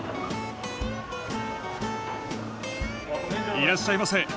いらっしゃいませ。